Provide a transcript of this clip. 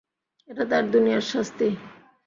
এটা তার দুনিয়ার শাস্তি।